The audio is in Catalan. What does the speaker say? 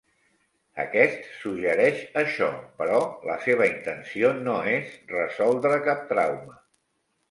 Aquest suggereix això, però la seva intenció no és resoldre cap trauma.